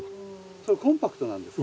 それコンパクトなんですか。